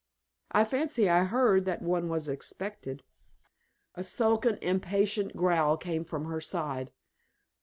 I fancy I heard that one was expected." A sullen, impatient growl came from her side.